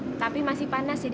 hai tapi masih